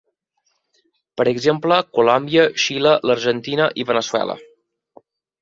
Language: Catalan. Per exemple Colòmbia, Xile, l'Argentina i Veneçuela.